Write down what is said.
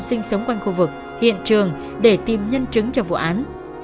các hội dân sinh sống quanh khu vực hiện trường để tìm nhân chứng cho vụ án